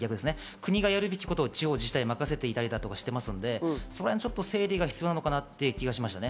国がやるべきことを地方自治体に任せていたりするのでその辺整理が必要かなって気がしますね。